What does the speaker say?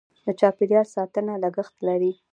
د چاپیریال ساتنه لګښت لري.